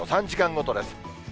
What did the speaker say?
３時間ごとです。